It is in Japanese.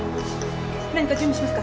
何か準備しますか？